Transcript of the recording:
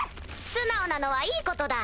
素直なのはいいことだ。